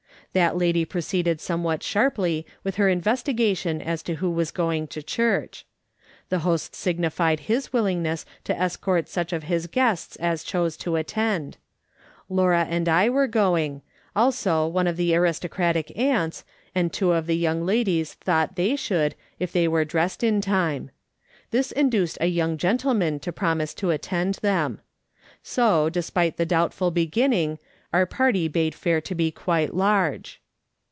That lady proceeded somewhat sharply with her investigation as to who was going to church. The host signified his willingness to escort such of liis guests as chose to attend. Laura and I were going ; also one of the aristocratic aunts, and two of the young ladies thought they should if they were dressed in time. This induced a young gentleman to promise to attend them. So, despite the doubt ful beginning, our party bade fare to be quite large.